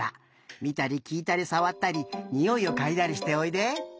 みたりきいたりさわったりにおいをかいだりしておいで。